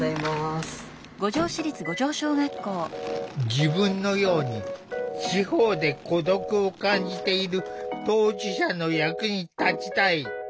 自分のように地方で孤独を感じている当事者の役に立ちたい。